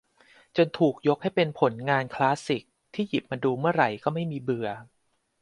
จนถูกยกให้เป็นผลงานคลาสสิกที่หยิบมาดูเมื่อไรก็ไม่มีเบื่อ